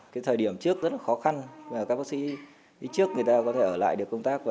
cái thời điểm trước rất là khó khăn và các bác sĩ đi trước người ta có thể ở lại được công tác